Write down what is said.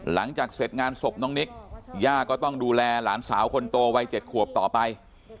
หลังจากเสร็จงานศพน้องนิกย่าก็ต้องดูแลหลานสาวคนโตวัย๗ขวบต่อไป